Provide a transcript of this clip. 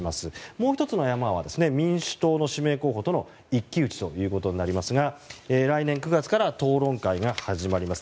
もう１つの山は民主党の指名候補との一騎打ちということになりますが来年９月から討論会が始まります。